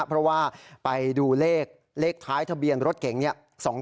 เพราะว่าไปดูเลขท้ายทะเบียนรถเก่งเนี่ย